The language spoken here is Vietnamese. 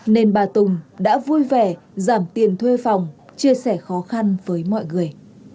nên bà tùng đã vui vẻ giảm tiền thuê phòng chia sẻ khó khăn với mọi người